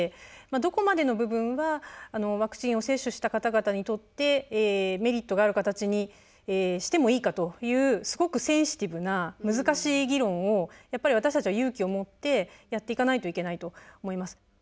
どこまでの部分はワクチンを接種した方々にとってメリットがある形にしてもいいかというすごくセンシティブな難しい議論をやっぱり私たちは勇気を持ってやっていかないといけないと思います。